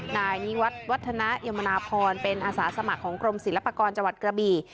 นายนิวัฒน์วัฒนยมนาพรเป็นอาสาสมัครของกรมศิลปากรจังหวัดกระบี่